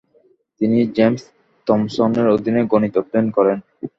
তিনি জেমস থমসনের অধীনে গণিত অধ্যয়ন করেন।